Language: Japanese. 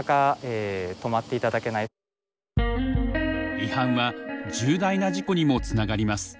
違反は重大な事故にもつながります。